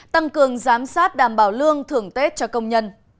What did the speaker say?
tăng cường giám sát đảm bảo lương thưởng tết cho công nhân